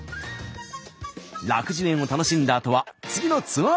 楽寿園を楽しんだあとは次のツアーコース探し。